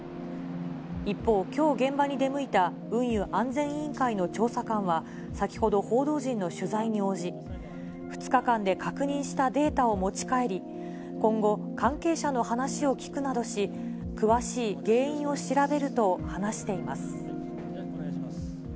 一方、きょう現場に出向いた運輸安全委員会の調査官は、先ほど報道陣の取材に応じ、２日間で確認したデータを持ち帰り、今後、関係者の話を聞くなどし、詳しい原因を調べると話しています。